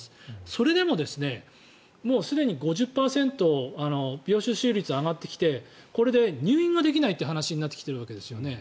それでも、もうすでに５０％病床使用率が上がってきてこれで入院ができないという話になってきているわけですよね。